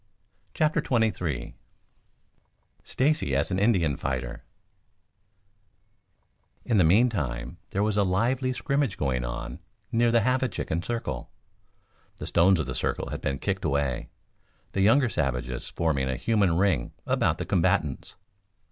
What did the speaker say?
CHAPTER XXIII STACY AS AN INDIAN FIGHTER In the meantime there was a lively scrimmage going on near the "Have a chicken" circle. The stones of the circle had been kicked away, the younger savages forming a human ring about the combatants.